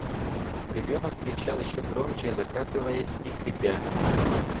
Ребенок кричал еще громче, закатываясь и хрипя.